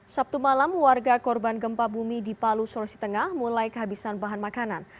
sabtu malam warga korban gempa bumi di palu sulawesi tengah mulai kehabisan bahan makanan